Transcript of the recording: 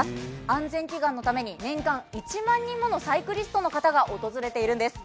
安全祈願のために年間１万人ものサイクリストの方が訪れているんです。